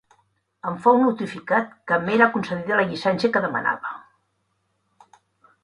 Em fou notificat que m'era concedida la llicència que demanava.